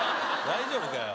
大丈夫かよ？